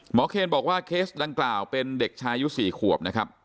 เคนบอกว่าเคสดังกล่าวเป็นเด็กชายุ๔ขวบนะครับ